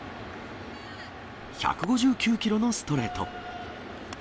１５９キロのストレート。